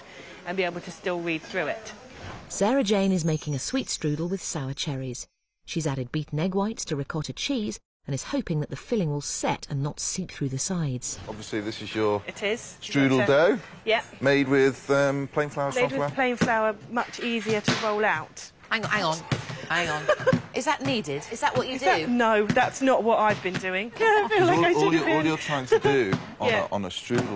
はい。